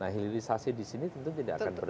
hilirisasi di sini tentu tidak akan berhenti